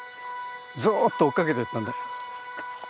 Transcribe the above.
ずっと追っかけてったんだよ。